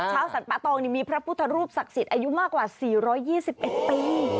สรรปะตองมีพระพุทธรูปศักดิ์สิทธิ์อายุมากกว่า๔๒๑ปี